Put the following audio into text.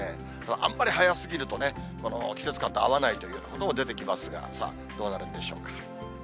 あんまり早すぎるとね、季節感と合わないということも出てきますが、さあ、どうなるんでしょうか。